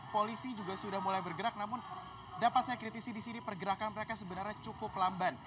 polisi juga sudah mulai bergerak namun dapat saya kritisi di sini pergerakan mereka sebenarnya cukup lamban